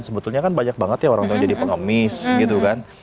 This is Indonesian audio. sebetulnya kan banyak banget ya orang tua jadi pengemis gitu kan